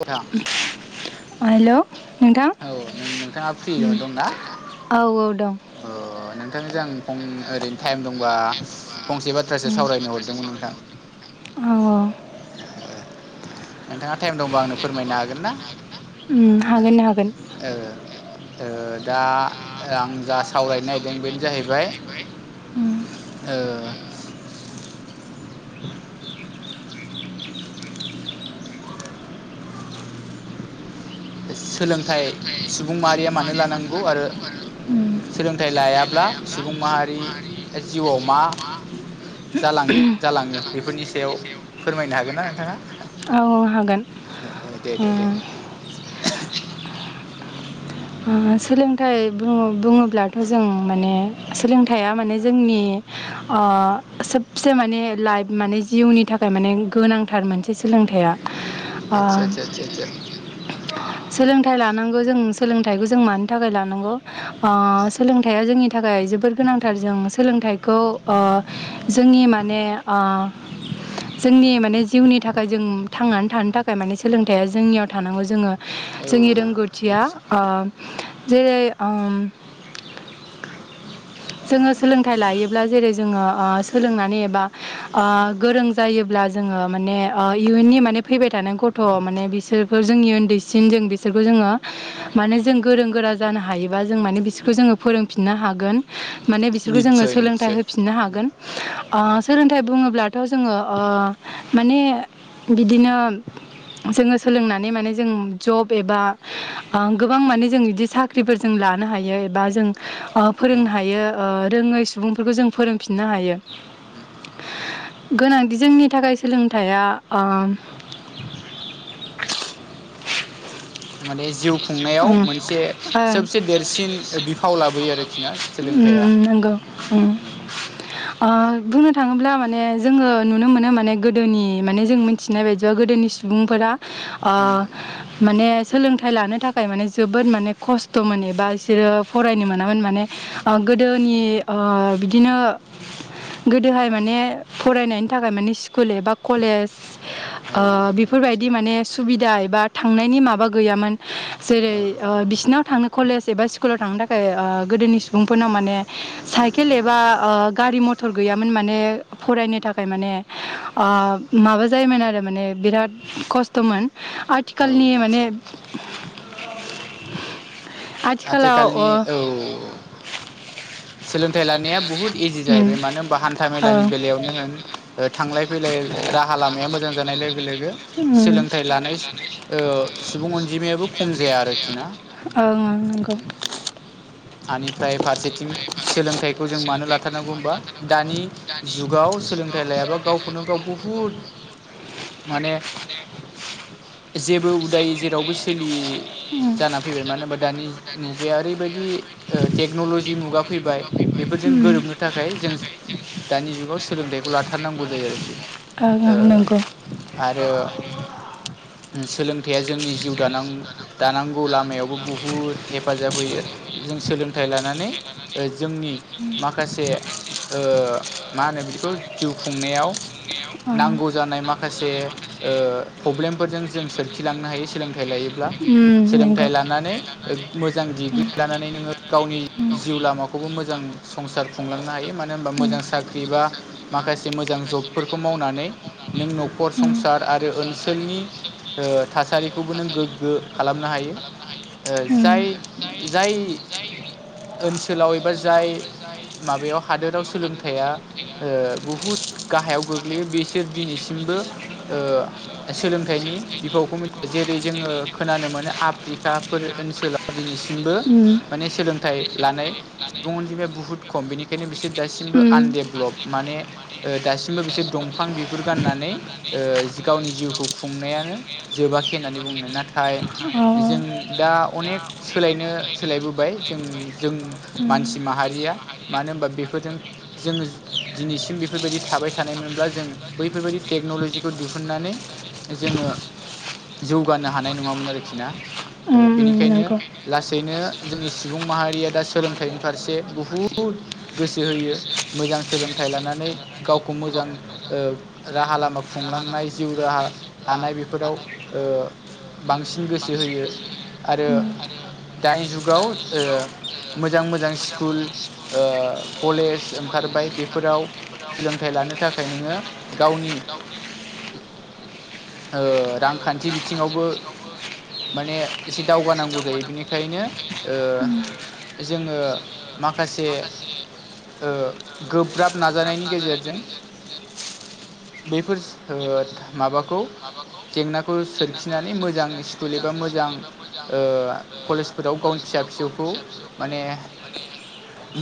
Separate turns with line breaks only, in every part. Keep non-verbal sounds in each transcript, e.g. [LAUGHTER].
नोंथां
[INAUDIBLE] हेल' नोंथां
औ नों-नोंथाङा
उम
फ्रियाव दं ना?
औ औ दं
अ नोंथांजों आं फं ओरैनो टाइम दंबा फंसे बा थ्रासो
उम
सावरायनो हरदोंमोन नोंथां
औ औ
नोंथाङा टाइम दंबा आंनो फोरमायनो हागोनना?
उम हागोन हागोन
ओ ओ दा आं जा सावरायनो नागिरदों बेनो जाहैबाय
उम
ओ सोलोंथाइ सुबुं माहारिया मानो लानांगौ आरो
उम
सोलोंथाइ लायाब्ला सुबुं माहारि जिउआव मा जालाङो जालाङो बेफोरनि सायाव फोरमायनो हागोन ना नोंथाङा?
अ हागोन
दे दे दे
ओम सोलोंथाइ बुं-बुङोब्लाथ' जों माने सोलोंथाइया माने जोंनि ओ सोबसे माने लाइफ माने जिउनि थाखाय माने गोनांथार मोनसे सोलोंथाइया ओ
आदसा आदसा आदसा
[INAUDIBLE] सोलोंथाइ लानांगौ जों सोलोंथाइखौ जों मानो थाखाय लानांगौ ओ सोलोंथाय आ जोंनि थाखाय जोबोर गोनांथार जों सोलोंथाइखौ ओ जोंनि माने ओ जोंनि माने जिउनि थाखाय जों थांनानै थानो थाखाय माने सोलोंथाइया जोंनियाव थानांगौ जोङो
आदसा
जोंनि रोंगौथिया
औ
ओ जेरै ओम जोङो सोलोंथाइ लायोब्ला जेरै जोङो ओ सोलोंनानै एबा ओ गोरों जायोब्ला जोङो माने ओ इयुननि माने फैबाय थानाय ग थ' माने बिसोरफोर जोंनि उन्दैसिन जों बिसोरखौ जोङो माने जों गोरों गोरा जानो हायोबा जों माने बिसोरखौ जोङो फोरोंफिननो हागोन। माने बिसोरखौ जो
निस्सय
सोलोंथाइ
निस्सय
होफिन नो हागोन ओ सोलोंथाइ बुङोब्लाथ' जोङो ओ माने बिदिनो जोङो सोलोंनानै माने जों जब एबा ओ गो बां माने जों बिदि साख्रिफोर जों लानो हायो एबा जों ओ फोरोंनो हायो ओ रोङै सुबुंफोरखौ जों फोरोंफिननो हायो। गोनांथि जोंनि थाखाय सोलोंथाइया ओ
माने जिउ खुंनायाव
ओं
मोनसे
ओं
सबसे देरसिन बिफाव लाबोयो आरोखि ना
उम
सोलोंथाइया।
उम नंगौ उम। ओ बुंनो थाङोब्ला माने जोङो नुनो मोनो माने गोदोनि माने जों मिथिनाय बायदिबा गोदोनि सुबुंफोरा ओ माने सोलोंथाइ लानो थाखाय माने जोबोद माने खस्थ'मोन एबा बिसोरो फरायनो मोनामोन माने ओ गोदोनि ओ बिदिनो गोदोहाय माने फरायनायनि थाखाय माने स्कुल एबा कलेज
औ
ओ
औ
बेफोरबायदि
निस्सय
माने सुबिदा एबा थांनायनि माबा गैयामोन। जेरै
औ
ओ बिसिनाव थांनो कलेज एबा स्कुलाव थांनो थाखाय ओ गोदोनि सुबुंफोरनाव माने साइकेल एबा ओ गारि मथर गैयामोन माने फरायनो थाखाय माने ओ माबा जायोमोन आरो माने बिराद खस्थ'मोन
औ
आथिखालनि माने
निस्सय
आथिखालाव ओ
आथिखालनि औव। सोलोंथाइ लानाया बुहुत इजि
उम
जाहैबाय मानो होनबा हान्था
औ
मेलानि बेलायावनो होन थांलाय फैलाय राहा लामाया मोजां जानाय लोगो लोगो
उम सोलोंथाइखौ
सोलोंथाइ लानाय ओ सुबुं अनजिमायाबो खम जाया आरोखि ना।
ओं औं नंगौ।
हानिफ्राय फारसेथिं सोलोंथाइखौ जों मानो लाथारनांगौ होनबा दानि जुगाव सोलोंथाइ लायाबा गावखौनो गाव बुहुद माने जेबो उदायि जेरावबो सोलियि
उम
जाना फैबाय मानो होनबा दानि मुगाया ओरैबायदि ओ टेक्न'लजि मुगा फैबाय। बेफोरजों
उम
गोरोबनो थाखाय जों दानि जुगाव सोलोंथाइखौ लाथारनांगौ जायो आरोखि।
ओं ओं नांगौ।
ओ आरो सोलोंथाइया जोंनि जिउ दानां दानांगौ लामायावबो बुहुद हेफाजाब होयो जों सोलोंथाइ लानानै जोंनि
उम
माखासे ओ मा होनो बिदिखौ जिउ खुंनायाव
ओं
नांगौ जानाय मा खासे ओ प्रब्लेमफोरजों जों सोरखिलांनो हायो सोलोंथाइ लायो ब्ला
उम नंगौ
सोलोंथाइ लानानै मोजां
उम
डिग्रि लानानै नोङो गावनि जिउ लामाखौबो मोजां संसार
उम
खुंलांनो हायो। मानो होनबा मोजां साख्रि बा माखासे मोजां जबफोरखौ मावनानै नों न'खर
उम
संसार आरो ओनसोलनि ओ थासारिखौबो नों गोग्गो खालामनो हायो।
उम
ओ जाय जाय ओनसोलाव एबा जाय माबायाव हादोराव सोलोंथाया ओ बुहुद गाहायाव गोग्लैयो बिसोर दिनैसिमबो ओ सोलोंथाइनि बिफावखौ मि जेरै जोङो खोनानो मोनो आफ्रिकाफोर ओनसोलाव दिनैसि मबो माने सोलोंथाइ लानाय सुबुं अनजिमाया बुहुत खम बेनिखायनो बिसोर दासिमबो आनडेभलप माने ओ दासिमबो बिसोर दंफां बिगुर गाननानै ओ गावनि जिउखौ खुंनायानो जोबाखै होननानै बुङो नाथाय
अ
जों दा अनेक सोलायनो सोलायबोबाय जों जों
उम
मानसि
उम
माहारिया मानो होनबा बेफोरजों जोङो दिनैसिम बेफोरबायदि थाबाय थानायमोनब्ला जों बैफोरबायदि टेक्न'ल'जिखौ दिहुननानै जोङो जौगानो हानाय नङामोन आरोखि ना
उम
बेनिखायनो
नंगौ
लासैनो जोंनि सुबुं माहारिया दा सोलोंथाइनि फारसे बुहुद गोसो होयो मोजां सोलोंथाइ लानानै गावखौ मोजां राहा लामा खुंलांनाय जिउ राहा लानाय बेफोराव ओ बांसिन गोसो होयो। आरो
उम
दानि जुगाव ओ मोजां मोजां स्कुल कलेज ओंखारबाय बेफोराव सोलोंथाइ लानो थाखाय नोङो गावनि ओ रांखान्थि बिथिङावबो माने एसे दावगानांगौ जायो बिनिखायनो ओ
उम
जोङो माखासे गोब्राब नाजानायनि गेजेरजों बेफोर माबाखौ जेंनाखौ सोरखिनानै मोजां स्कुल एबा मोजां ओ कलेजफोराव गावनि फिसा फिसौखौ माने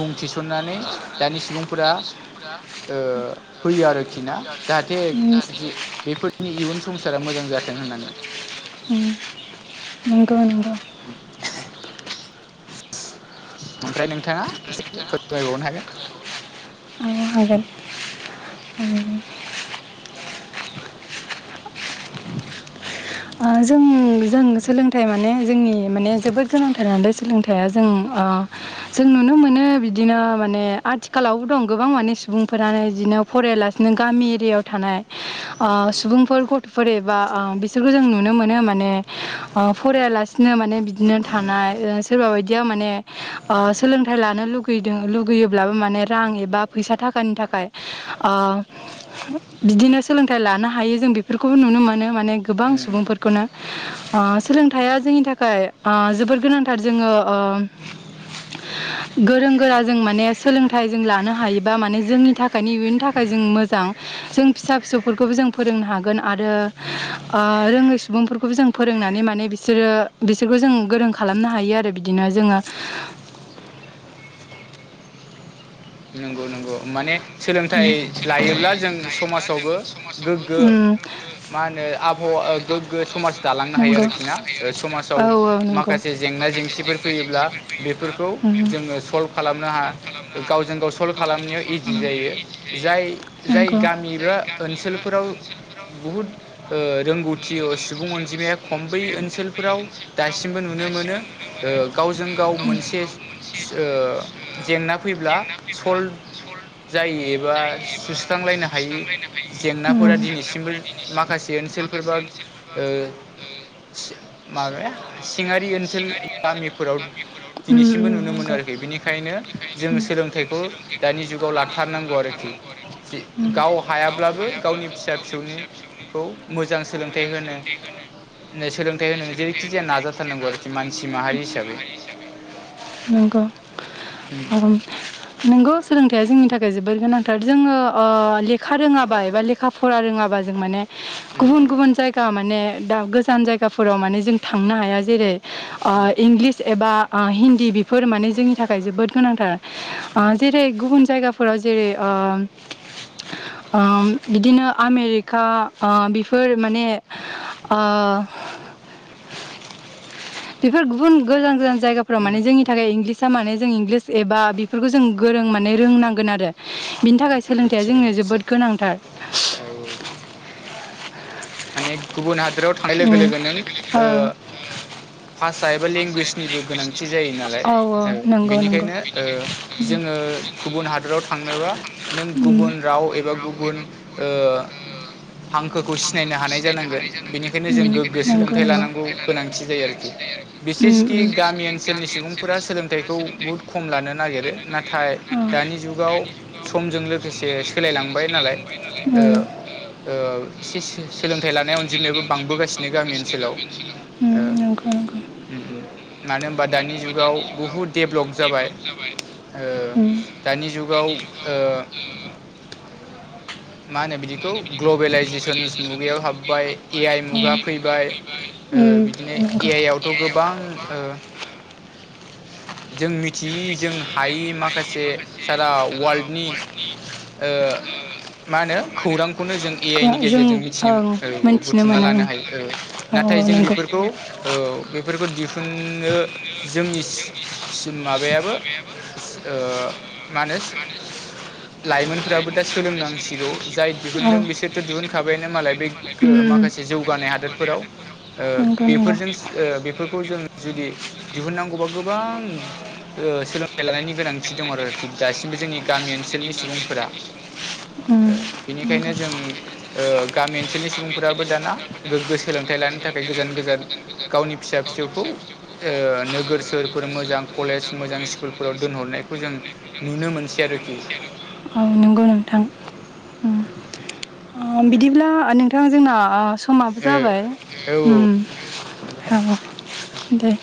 मुं थिसननानै दानि सुबुंफोरा होयो आरोखि ना। जाहाथे
उम
ज बेफोरनि इयुन संसारा मोजां जाथों होननानै।
उम। नंगौ नोंगौ।
उम। ओमफ्राय नोंथाङा फोरमायबावनो हागोन।
आंओ हागोन। उ।
[UNINTELLIGIBLE]
ओ जों। जों सोलोंथाइ माने जोंनि माने जोबोद गोनांथारदों सोलोंथाइया जोंनि ओ जों नुनो मोनो बिदिनो माने आथिखालावबो दं गोबां माने सुबुंफोरानो बिदिनो। फरायालासिनो गामि एरियायाव थानाय ओ सुबुंफोर गथ'फोर एबा बिसोरखौ जों नुनो मोनो माने ओ फरायालासिनो माने बिदिनो थानाय। ओ सोरबा बायदिया माने ओ सोलोंथाइ लानो लुगैदों लुगैयोब्लाबो माने रां एबा फैसा थाखानि थाखाय ओ। बिदिनो सोलोंथाइ लानो हायो बेफोरखौबो नुनो मोनो माने
हागोन
सुबुंफोरखौनो। ओ सोलोंथाइया जोंनि थाखाय ओ जोबोर गोनांथार जोङो ओ
[UNINTELLIGIBLE]
गोरों गोरा जों माने सोलोंथाइ जों लानो हायोबा माने जोंनि थाखायनो इयुननि थाखाय जों मोजां। जों फिसा फिसौफोरखौबो जों फोरोंनो हागोन आरो रोङै सुबुंफोरखौबो जों। फोरोंनानै माने बिसोरो बिसोरखौ जों गोरों खालामनो हायो आरो बिदिनो जोङो।
नंगौ नंगौ माने। सोलोंथाइ लायोब्ला जों समाजावबो गोग्गो
उम
मा होनो आबहावा गोग्गो समाज दालांनो हायो
नंगौ
आरोखि ना समाजाव
औ औ नंगौ
माखासे जेंना जेंसिफोर फैयोब्ला बेफोरखौ
उम,
जोङो सल्भ खालामनो हायो गाव जोंखौ सल्भ खालामनायाव इजि जायो। जाय गामि एबा ओनसोलफोराव बुहुद ओ रोंगौथि सुबुं अनजिमाया खम बै ओनसोलफोराव दासिमबो नुनो मोनो ओ गावजों गाव मोनसे ओ जेंना फैब्ला
फैब्ला
सल्भ
सल्ब
जायो एबा सुस्रांलायनो हायै
उम,
जेंनाफोरा दिनैसिमबो माखासे ओनसोलफोरबा ओ माबाया सिङारि ओनसोल गामिफोराव
उम,
दिनैसिमबो नुनो मोनो
नंगौ
आरोखि बेनि बेखायनो जों
उम,
सोलोंथाइखौ दानि जु लाथारनांगौ
उम,
आरोखि गाव हायाब्लाबो गावनि फिसा फिसौनि खौ मोजां सोलोंथाइ होनो दिनै सोलोंथाइ होनो जेरैखि जाया नाजाथारनांगौ आरोखि मानसि माहारि हिसाबै
नंगौ
उम
अम नंगौ जोंनि थाखाय जोबोर गोनांथार जोङो ओ लेखा रोङाबा एबा लेखा फरा रोङाबा जों माने
उम
गुबुन गुबुन जायगा माने दा गोजान जायगाफोराव माने जों थांनो हाया जेरै ओ इंलिस एबा हिन्दी बेफोर माने जोंनि थाखाय जोबोद गोनांथार जै गुबुन जायगाफोराव जेरै ओ ओ बिदिनो आमेरिका ओ बेफोर माने ओ बेफोर गुबुन गोजान गोजान जायगाफ्राव
उम
माने जोंनि थाखाय इंलिसआ माने जों इंग्लिस एबा बेफोरखौ जों गोरों माने रोंनांगोन आरो बिनि थाखाय सोलोंथाइया
निस्सय
जोंनो
निस्सय
जोबोद गोनांथार
[INAUDIBLE] माने गुबुन हादराव थांनाय लोगो
उम
लोगो नों ओ
ओं
भाषा एबा लेंगुवेजनिबो गोनांथि जायो नालाय
औ औ
ओ
नंगौ नंगौ
बेनिखायनो ओ जोङो गुबुन हादराव थांनोबा नों
उम
गुबुन राव एबा गुबुन ओ हांखोखौ सिनायनो हानाय जानांगोन बेनिखायनो जों गोग्गो
उम
सोलोंथाइ
नंगौ नंगौ
लानांगौ गोनांथि जायो आरोखि बिसेसकि
उम
गामि
उम
ओनसोलनि सुबुंफोरा सोलोंथाइखौ बुहुद खम लानो नागिरो नाथाय दानि
औ
जुगाव समजों लोगोसे सोलायलांबाय नालाय ओ ओ सो-सोलोंथाइ लानाय अनजिमायाबो बांबोगासिनो गामि ओनसोलाव
उम
ओ
उम नंगौ नंगौ
ओम ओम मानो होनबा दानि जुगाव बहुद देभलप जाबाय ओ
उम
दानि जुगाव ओ मा होनो बिदिखौ ग्लबेेलइजेसनस मुगायाव हाबबाय ए आइ मुगा फैबाय
उम
ओ बिदिनो ए
नंगौ
आइ आवथ' गोबां ओ जों मि थि जों हायि माखासे सारा वार्ल्ड
[UNINTELLIGIBLE]
मा होनो खौरांखौनो जों ए
खौ
आइ नि
जों
गेजेरजों मिथिनो
ओं
औ औ
मोनथिनो
बुथुमना
मोना
लानो
ओं
हायो औ
औ
नाथाय जों
नंगौ
बेफोरखौ औ बेफोरखौ दिहुनो जोंनि सिन माबायाबो ओ मा होनो लाइमोनफोराबो दा सोलोंनांसिगौ जाय
औ
दिहुनदों बिसोरथ' दिहुनखाबायनो मालाय बे
उम नंगौ
माखासे जौगानाय हादोरफोराव। ओ
नंगौ
बेफोरजों ओ बेफोरखौ जों जुदि दिहुननांगौबा गोबां ओ सोलोंथाइ लानायनि गोनांथि दङ आरोखि दासिमबो जोंनि गामि ओनसोलनि सुबुंफोरा
उम नंगौ
ओ बेनिखायनो जों ओ गामि ओनसोलनि सुबुंफ्राबो दाना गोगो सोलोंथाइ लानो थाखाय गोजान गोजान गावनि फिसा फिसौखौ ओ नोगोर सोहोरफोर मोजां कलेज मोजां स्कुलफोराव दोनहरनायखौ जों नुनो मोनसै आरोखि
औ नंगौ नोंथां उम ओ बिदिब्ला नोंथां जोंना ओ समाबो
ओ
जाबाय
औ
उम
औ
औ दे।